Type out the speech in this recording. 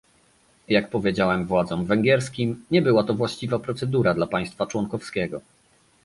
Jak powiedziałem władzom węgierskim, nie była to właściwa procedura dla państwa członkowskiego